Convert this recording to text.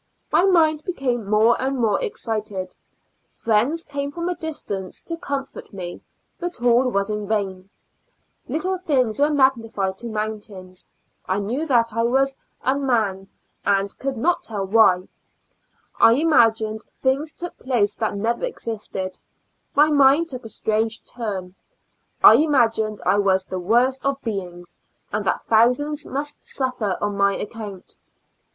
My mind became more and more excited ; friends came from a distance to comfort me, but all was in vain ; little things were magnified to mountains ; I knew that I was unmanned, and could not tell why ; I imagined things took place that never existed ; my mind took a strange turn ; I imagined I was the worst of beings, and that thousands must suffer on my account.